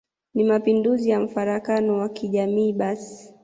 ni Mapinduzi ya mfarakano wa kijamii basi